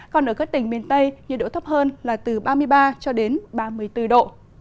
còn ở các tỉnh miền tây nhiệt độ thấp hơn là từ ba mươi ba ba mươi bốn độ